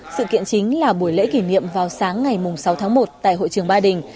sự kiện chính là buổi lễ kỷ niệm vào sáng ngày sáu tháng một tại hội trường ba đình